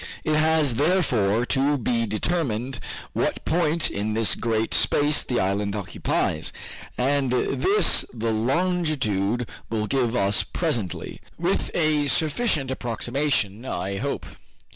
It has, therefore, to be determined what point in this great space the island occupies, and this the longitude will give us presently, with a sufficient approximation, I hope."